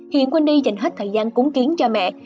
hiện wendy dành hết thời gian cúng kiến cho mẹ